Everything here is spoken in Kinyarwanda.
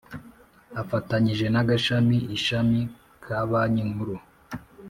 afatanyije n Agashami Ishami ka banki nkuru